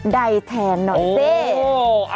ใดแทนหน่อยเจ้